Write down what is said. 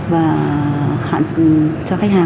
và hạn cho khách hàng